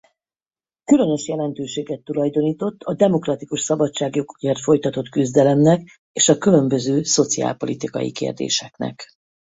Különös jelentőséget tulajdonított a demokratikus szabadságjogokért folytatott küzdelemnek és a különböző szociálpolitikai kérdéseknek.